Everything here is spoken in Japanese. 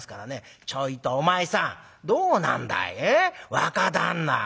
若旦那。